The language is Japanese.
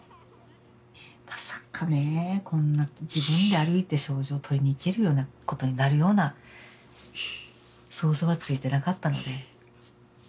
まさかねこんな自分で歩いて賞状取りに行けるようなことになるような想像はついてなかったので。